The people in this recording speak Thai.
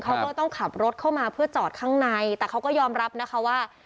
เขาก็ต้องขับรถเข้ามาเพื่อจอดข้างในแต่เขาก็ยอมรับนะคะว่า